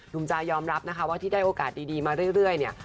จายอมรับนะคะว่าที่ได้โอกาสดีมาเรื่อยเนี่ย